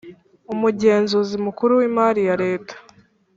Umugenzuzi Mukuru w Imari ya Leta